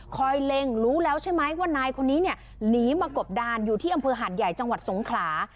เล็งรู้แล้วใช่ไหมว่านายคนนี้เนี่ยหนีมากบดานอยู่ที่อำเภอหาดใหญ่จังหวัดสงขลา